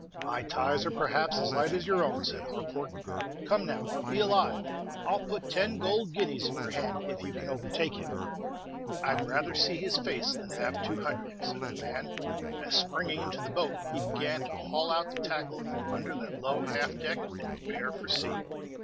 "My ties, are, perhaps, as light as your own," said Harcourt. "Come, now, be alive. I'll put ten gold guineas in your hand if you can overtake him." "I'd rather see his face than have two hundred," said the man, as, springing into the boat, he began to haul out the tackle from under the low half deck, and prepare for sea.